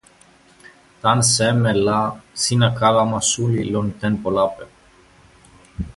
tan seme la sina kalama suli lon tenpo lape?